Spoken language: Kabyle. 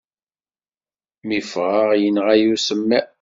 Mi ffɣeɣ, yenɣa-iyi usemmiḍ.